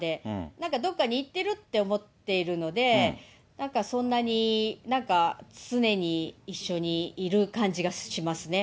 なんかどこかに行ってるって思っているので、なんかそんなに、なんか常に一緒にいる感じがしますね。